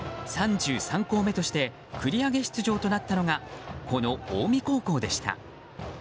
３３校目として繰り上げ出場となったのがこの近江高校でした。